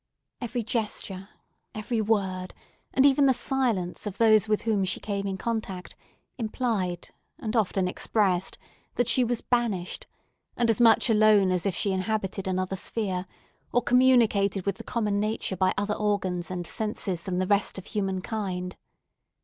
Every gesture, every word, and even the silence of those with whom she came in contact, implied, and often expressed, that she was banished, and as much alone as if she inhabited another sphere, or communicated with the common nature by other organs and senses than the rest of human kind.